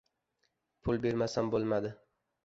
— Pul bermasam bo‘lmadi.